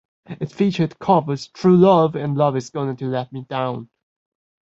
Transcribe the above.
It featured covers "True Love" and "Love Is Gonna To Let Me Down".